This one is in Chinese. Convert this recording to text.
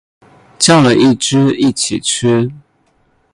叫了一只一起吃